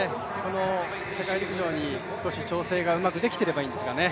世界陸上に調整がうまくできていればいいんですけどね。